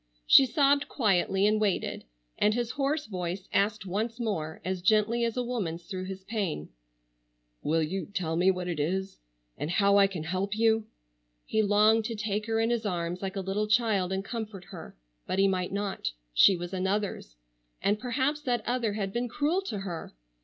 She sobbed quietly, and waited, and his hoarse voice asked once more, as gently as a woman's through his pain: "Will you tell me what it is and how I can help you?" He longed to take her in his arms like a little child and comfort her, but he might not. She was another's. And perhaps that other had been cruel to her!